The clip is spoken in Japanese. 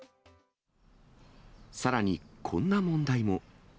さらに、こんな問題も。